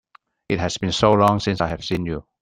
It has been so long since I have seen you!